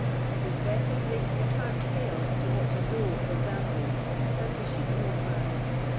It is better breaking a park pale to watch a doe or damsel than to shoot an old man."